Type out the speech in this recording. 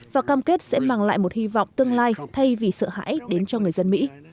và cam kết sẽ mang lại một hy vọng tương lai thay vì sợ hãi đến cho người dân mỹ